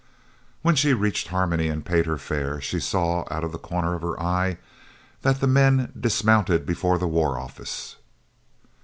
When she reached Harmony and paid her fare she saw, out of the corner of her eye, that the men dismounted before the War Office.